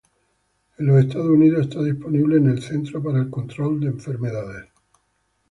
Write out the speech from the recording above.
En los Estados Unidos está disponible en el Centro para el Control de Enfermedades.